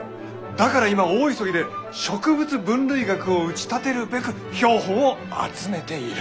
だから今大急ぎで植物分類学を打ち立てるべく標本を集めている。